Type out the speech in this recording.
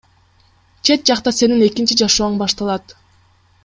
Чет жакта сенин экинчи жашооң башталат.